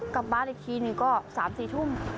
กลับบ้านอีกทีหนึ่งก็๓๔ทุ่ม